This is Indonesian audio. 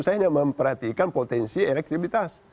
saya hanya memperhatikan potensi elektivitas